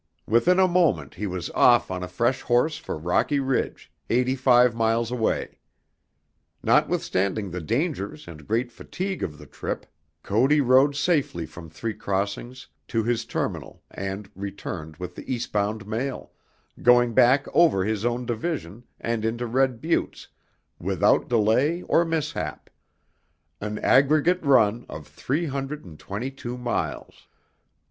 Within a moment he was off on a fresh horse for Rocky Ridge, eighty five miles away. Notwithstanding the dangers and great fatigue of the trip, Cody rode safely from Three Crossings to his terminal and returned with the eastbound mail, going back over his own division and into Red Buttes without delay or mishap an aggregate run of three hundred and twenty two miles.